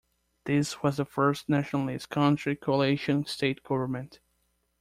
This was the first Nationalist-Country coalition state government.